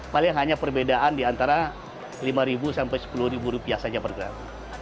paling hanya perbedaan di antara rp lima sampai sepuluh rupiah saja per gram